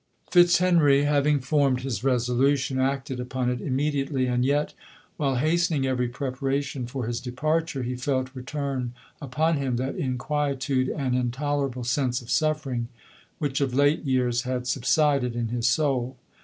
Fitzhenry having formed his resolution, acted upon it immediately : and yet, while hastening every preparation for his departure, he felt re turn upon him that inquietude and intolerable sense of suffering, which of late years had sub sided in his soul.